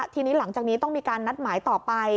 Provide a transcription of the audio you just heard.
ทีนี้หลังจากนี้ต้องมีการนัดหมายต่อไป